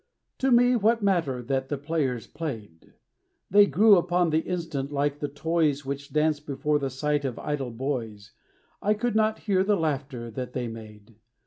To me what matter that the players played! They grew upon the instant like the toys Which dance before the sight of idle boys; I could not hear the laughter that they made.